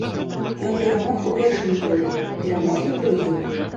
Ён перамог у першым туры, перамог і ў другім.